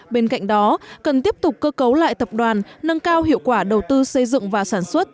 bên cạnh đó cần tiếp tục cơ cấu lại tập đoàn nâng cao hiệu quả đầu tư xây dựng và sản xuất